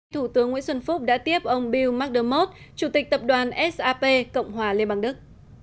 thủ tướng nguyễn xuân phúc đã tiếp ông bill macdamos chủ tịch tập đoàn sap cộng hòa liên bang đức